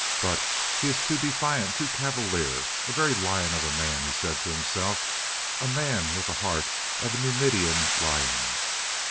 "But he is too defiant, too cavalier! A very lion of a man," he said to himself. "A man with the heart of a Numidian lion."